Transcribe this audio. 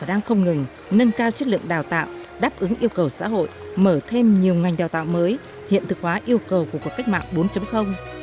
học viện đã đào ngừng nâng cao chất lượng đào tạo đáp ứng yêu cầu xã hội mở thêm nhiều ngành đào tạo mới hiện thực hóa yêu cầu của cuộc cách mạng bốn